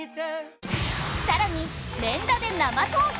更に、連打で生投票！